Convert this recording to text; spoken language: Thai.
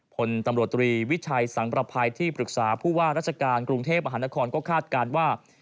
ผลตำรวจตรีวิชัยสังประภัยที่ปรึกษาผู้ว่าราชการกรุงเทพมหานครก็คาดการณ์ว่า